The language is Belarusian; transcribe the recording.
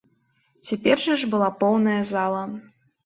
Цяпер жа ж была поўная зала.